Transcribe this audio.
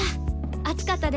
熱かったですね